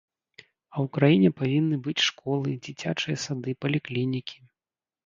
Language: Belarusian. А ў краіне павінны быць школы, дзіцячыя сады, паліклінікі.